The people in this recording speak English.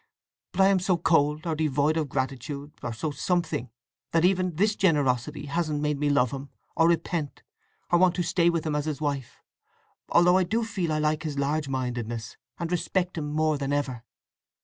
"But I am so cold, or devoid of gratitude, or so something, that even this generosity hasn't made me love him, or repent, or want to stay with him as his wife; although I do feel I like his large mindedness, and respect him more than ever."